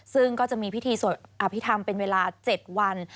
ซึ่งก็จะมีพิธีสวดอภิษฐรรมเป็นเวลา๗วัน